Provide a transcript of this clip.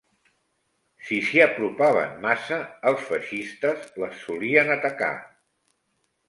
Si s'hi apropaven massa, els feixistes les solien atacar